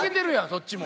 そっちも。